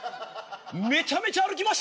めちゃめちゃ歩きましたね。